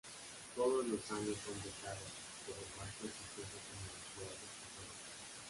Todos los años son becados por las más prestigiosas universidades de Puerto Rico.